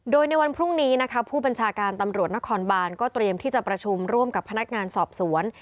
โดยในวันพรุ่งนี้นะคะผู้บัญชาการตำรวจนครบานก็เตรียมที่จะประชุมร่วมกับพนักงานสอบสวน